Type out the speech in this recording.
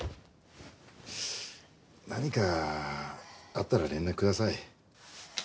何かあったら連絡ください。